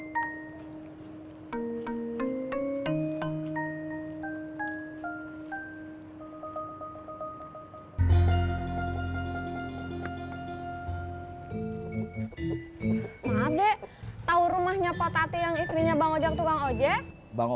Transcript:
maaf deh tau rumahnya pak tati yang istrinya bang ojak tukang ojek bang